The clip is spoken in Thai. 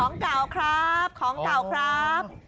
ของเก่าครับของเก่าครับ